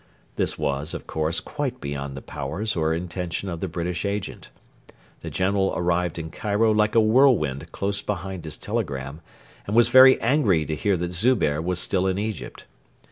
This was, of course, quite beyond the powers or intention of the British Agent. The General arrived in Cairo like a whirlwind close behind his telegram, and was very angry to hear that Zubehr was still in Egypt.